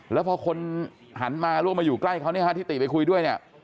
แล้วพอคนหันมาร่วมมาอยู่ใกล้เขาเนี่ยฮะที่ติไปคุยด้วยเนี่ย